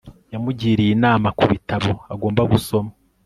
Yamugiriye inama ku bitabo agomba gusoma